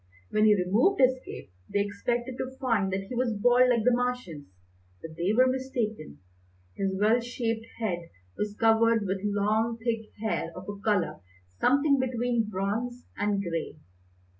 When he removed his cape they expected to find that he was bald like the Martians, but they were mistaken. His well shaped head was covered with long, thick hair of a colour something between bronze and grey.